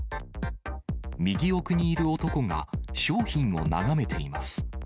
右奥にいる男が、商品を眺めています。